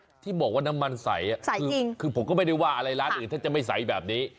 ที่บอกว่าน้ำมันใสคือผมก็ไม่ได้ว่าอะไรร้านอื่นถ้าจะไม่ใสแบบนี้